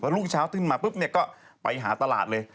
พอลูกชาวขึ้นมาปุ๊บเนี่ยก็ไปหาตลาดเลย